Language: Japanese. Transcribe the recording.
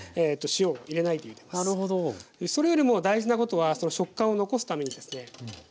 それよりも大事なことは食感を残すためにですね